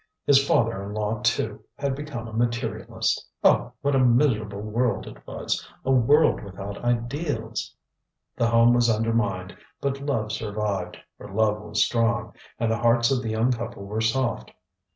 ŌĆØ His father in law, too, had become a materialist. Oh! what a miserable world it was! A world without ideals! The home was undermined, but love survived, for love was strong, and the hearts of the young couple were soft.